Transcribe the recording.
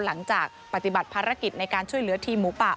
หลังจากปฏิบัติภารกิจในการช่วยเหลือทีมหมูป่า